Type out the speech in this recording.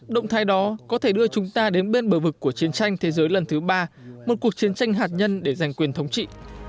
động thái đó có thể đưa chúng ta đến bên bờ vực của chiến tranh thế giới lần thứ ba một cuộc chiến tranh hạt nhân để giành quyền thống trị